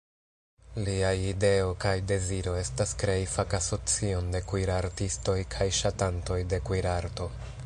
Liaj ideo kaj deziro estas krei fakasocion de kuirartistoj kaj ŝatantoj de kuirarto.